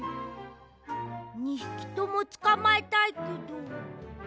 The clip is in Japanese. ２ひきともつかまえたいけど。